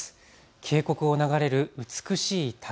渓谷を流れる美しい滝。